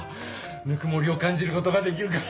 ぬくもりをかんじることができるから。